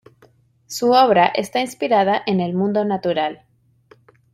Su obra está inspirada en el mundo natural.